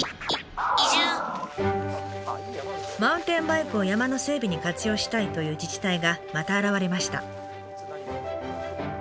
マウンテンバイクを山の整備に活用したいという自治体がまた現れました。